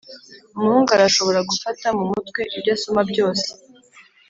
umuhungu arashobora gufata mu mutwe ibyo asoma byose